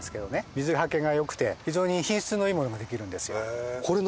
水はけが良くて非常に品質のいいものができるんですよ。